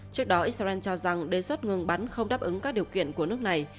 trước đó israel cho rằng đề xuất ngừng bắn không đáp ứng các điều kiện của nước này